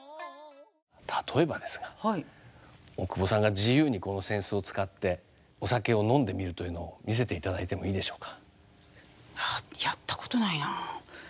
例えばですが大久保さんが自由にこの扇子を使ってお酒を飲んでみるというのを見せていただいてもいいでしょうか？